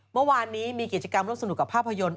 เมื่อวานนี้มีกิจกรรมร่วมสนุกกับภาพยนตร์